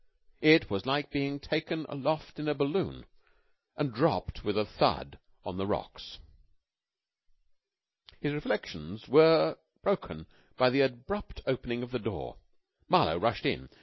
It was like being taken aloft in a balloon and dropped with a thud on the rocks. His reflections were broken by the abrupt opening of the door. Marlowe rushed in.